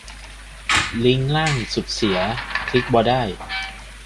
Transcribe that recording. ลิงก์ล่างสุดเสีย คลิกบ่ได้